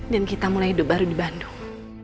dan kita mulai hidup baru di bandung